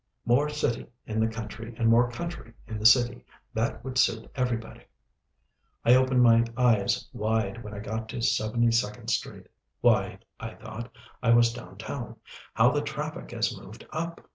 More city in the country and more country in the city that would suit everybody. I opened my eyes wide when I got to Seventy second Street. Why, I thought I was down town. How the traffic has moved up!